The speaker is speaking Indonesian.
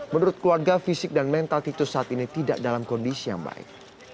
menurut keluarga fisik dan mental titus saat ini tidak dalam kondisi yang baik